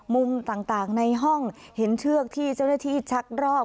มุมต่างในห้องเห็นเชือกที่เจ้าหน้าที่ชักรอก